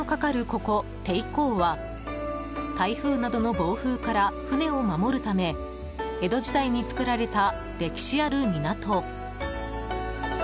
ここ、手結港は台風などの暴風から船を守るため江戸時代に作られた歴史ある港。